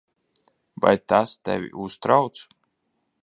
Vai tas tevi uztrauc?